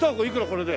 これで。